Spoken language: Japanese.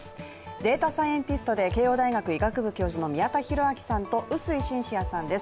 データサイエンティストで慶応大学医学部教授の宮田裕章さんと薄井シンシアさんです